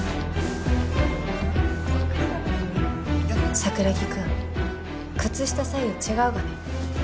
桜木くん靴下左右違うがね。